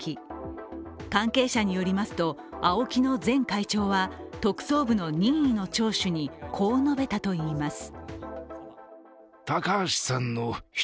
関係者によりますと、ＡＯＫＩの前会長は特捜部の任意の聴取にこう述べたといいます。